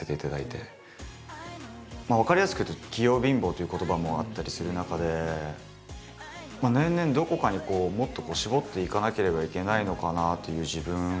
分かりやすく言うと「器用貧乏」という言葉もあったりする中で年々どこかにこうもっと絞っていかなければいけないのかなという自分。